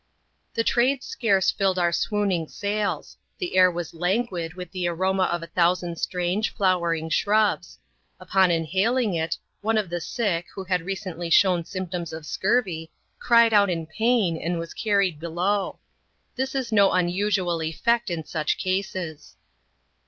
The Trades scarce filled our swooning sails ; the air was languid with the aroma of a thousand strange, flowering shrubs. Upon inhaling it, one of the sick, who had recently shown symptoms of scurvy, cried out in pain, and was carried below. This is no unusual effect in such cases.